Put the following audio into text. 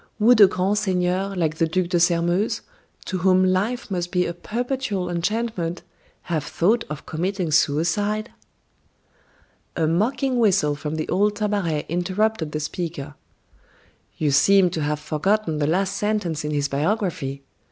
Would a grand seigneur, like the Duc de Sairmeuse, to whom life must be a perpetual enchantment, have thought of committing suicide?" A mocking whistle from the old Tabaret interrupted the speaker. "You seem to have forgotten the last sentence in his biography: 'M.